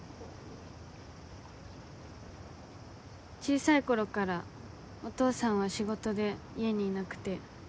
小さい頃からお父さんは仕事で家にいなくて。